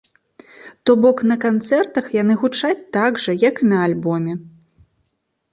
То бок на канцэртах яны гучаць так жа, як і на альбоме.